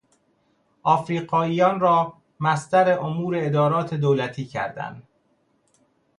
افریقاییان را مصدر امور ادارات دولتی کردن